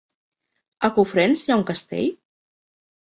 A Cofrents hi ha un castell?